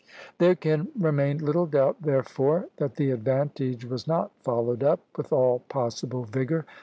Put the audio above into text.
" There can remain little doubt, therefore, that the advantage was not followed up with all possible vigor.